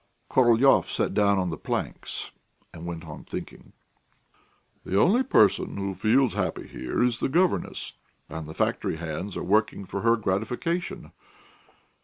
Korolyov sat down on the planks and went on thinking. "The only person who feels happy here is the governess, and the factory hands are working for her gratification.